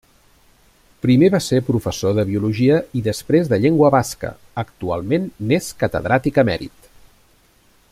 Primer va ser professor de biologia i després de llengua basca, actualment n'és catedràtic emèrit.